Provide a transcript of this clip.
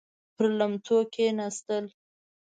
پر ليمڅو کېناستل.